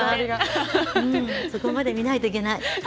そこまで見ないといけない！